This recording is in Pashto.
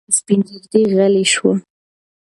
سپین ږیری غلی شو.